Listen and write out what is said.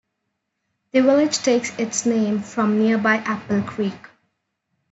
The village takes its name from nearby Apple Creek.